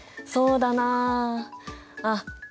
そうだなああっ